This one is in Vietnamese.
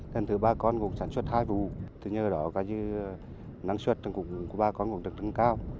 thêm thứ ba con cũng sản xuất hai vụ từ nhờ đó năng suất của ba con cũng được tăng cao